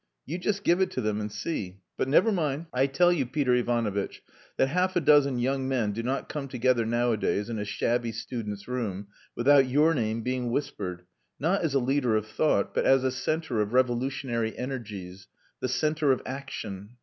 You just give it to them and see.... But never mind. I tell you, Peter Ivanovitch, that half a dozen young men do not come together nowadays in a shabby student's room without your name being whispered, not as a leader of thought, but as a centre of revolutionary energies the centre of action.